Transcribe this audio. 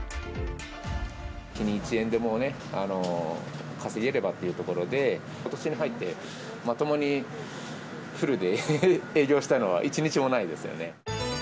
日に一円でも稼げればっていうところで、ことしに入ってまともにフルで営業したのは一日もないですよね。